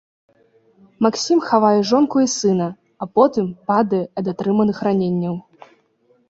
Максім хавае жонку і сына, а потым падае ад атрыманых раненняў.